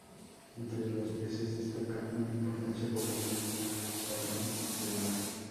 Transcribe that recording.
Entre los peces destaca una importante población del salmón de mar.